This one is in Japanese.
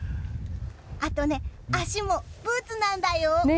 あとね、足もブーツなんだよ。